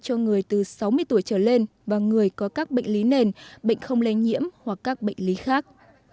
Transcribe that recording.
cho người từ sáu mươi tuổi trở lên và người có các bệnh lý nền bệnh không lây nhiễm hoặc các bệnh lý khác